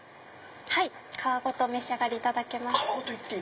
はい皮ごとお召し上がりいただけます。